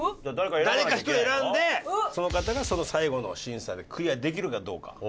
誰か１人選んでその方がその最後の審査でクリアできるかどうか。